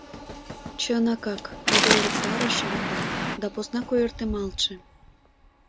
Чынакак, тудо ӧрыктарыше докан... да поснак ойыртемалтше.